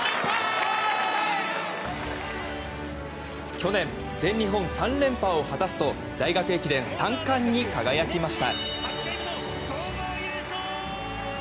去年全日本３連覇を果たすと大学駅伝３冠に輝きました。